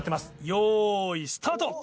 よいスタート！